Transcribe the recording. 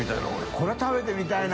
これ食べてみたいな。